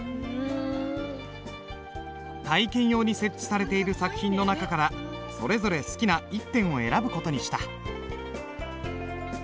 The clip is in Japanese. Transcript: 体験用に設置されている作品の中からそれぞれ好きな１点を選ぶ事にした。